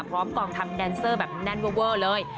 พร้อมกองทำแดนเซอร์แบบแน่นเว่อเลย